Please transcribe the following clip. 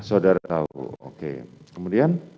saudara tahu oke kemudian